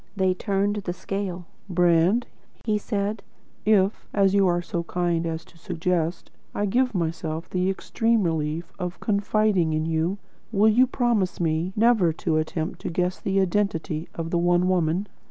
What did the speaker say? They turned the scale. "Brand," he said, "if, as you are so kind as to suggest, I give myself the extreme relief of confiding in you, will you promise me never to attempt to guess at the identity of the One Woman?"